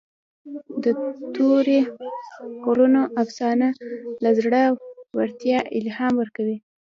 د تورې غرونو افسانه د زړه ورتیا الهام ورکوي.